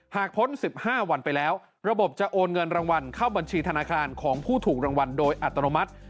พ้น๑๕วันไปแล้วระบบจะโอนเงินรางวัลเข้าบัญชีธนาคารของผู้ถูกรางวัลโดยอัตโนมัติ